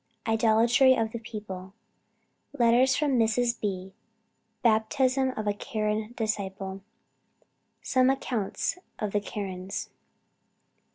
IDOLATRY OF THE PEOPLE. LETTER FROM MRS. B. BAPTISM OF A KAREN DISCIPLE. SOME ACCOUNT OF THE KARENS.